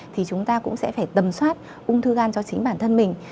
thì chúng ta cũng sẽ phải tầm soát ung thư gan cho chính bản thân mình